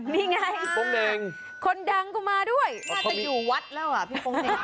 นี่ไงคนดังก็มาด้วยน่าจะอยู่วัดแล้วอ่ะพี่โป๊งเดช